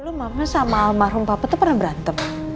dulu mama sama almarhum papa tuh pernah berantem